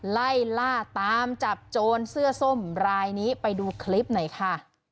ไล่ล่าตามจับโจรเสื้อส้มรายนี้ไปดูคลิปหน่อยค่ะ